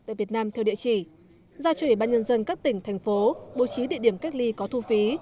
tại việt nam theo địa chỉ giao cho ủy ban nhân dân các tỉnh thành phố bố trí địa điểm cách ly có thu phí